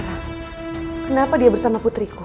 kenapa dia bersama putriku